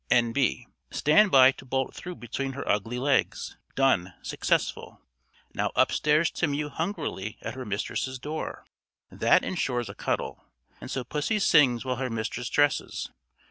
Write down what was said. "N.B. Stand by to bolt through between her ugly legs. Done successful." Now upstairs to mew hungrily at her mistress's door that ensures a cuddle; and so pussy sings while her mistress dresses.